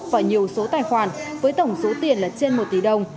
và nhiều số tài khoản với tổng số tiền là trên một tỷ đồng